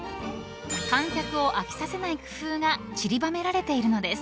［観客を飽きさせない工夫がちりばめられているのです］